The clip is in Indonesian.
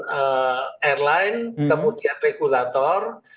kemudian airline kemudian regulator